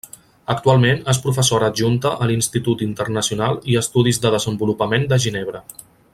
Actualment és professora adjunta a l'Institut Internacional i Estudis de Desenvolupament de Ginebra.